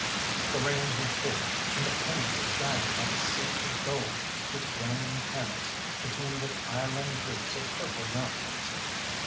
The rain had quit, and the plain was shining like a sea of gold which ran in channels between the island groups of purple mountains.